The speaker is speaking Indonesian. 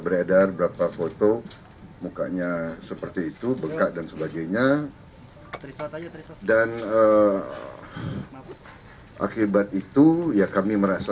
beredar berapa foto mukanya seperti itu bekak dan sebagainya dan akibat itu ya kami merasa